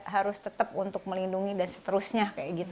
harus tetap untuk melindungi dan seterusnya